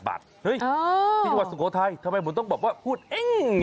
เฮ้ยที่จังหวัดสุโขทัยทำไมผมต้องแบบว่าพูดเอง